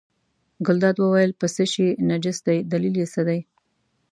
ګلداد وویل په څه شي نجس دی دلیل یې څه دی.